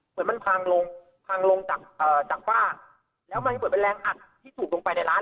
เหมือนมันพังลงพังลงจากเอ่อจากฝ้าแล้วมันเหมือนเป็นแรงอัดที่ถูกลงไปในร้าน